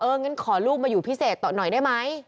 งั้นขอลูกมาอยู่พิเศษต่อหน่อยได้ไหม